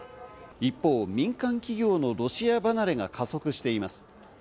一方、民間企業のロシア離れが加速しています。